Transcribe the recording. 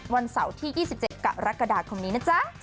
วันเสาร์ที่๒๗กรกฎาคมนี้นะจ๊ะ